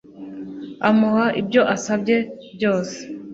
Amuha ibyo asabye byose